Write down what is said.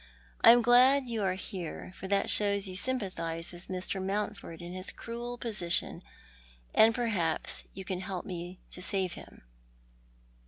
I am glad you are here, for that shows you sympathise with Mr. Mountford in his cruel position, and perhaps you can hel]) me to save him."